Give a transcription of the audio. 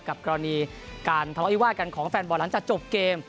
กรณีการทะเลาะวิวาดกันของแฟนบอลหลังจากจบเกม